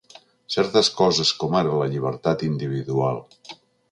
Certes coses com ara la llibertat individual